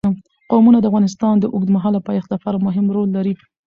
قومونه د افغانستان د اوږدمهاله پایښت لپاره مهم رول لري.